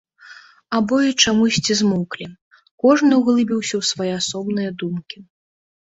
Абое чамусьці змоўклі, кожны ўглыбіўся ў свае асобныя думкі.